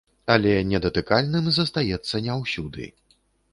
Але недатыкальным застаецца не ўсюды.